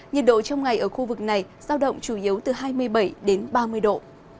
nhiệt độ trong ngày ở khu vực này giao động chủ yếu từ hai mươi bảy đến ba mươi độ